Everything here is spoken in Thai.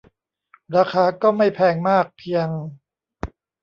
ราคาก็ไม่แพงมากเพียง